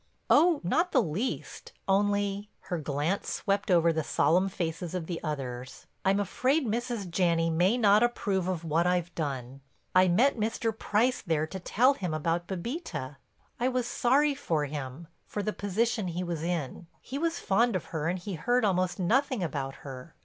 "Oh, not the least, only—" her glance swept over the solemn faces of the others—"I'm afraid Mrs. Janney may not approve of what I've done. I met Mr. Price there to tell him about Bébita; I was sorry for him, for the position he was in. He was fond of her and he heard almost nothing about her.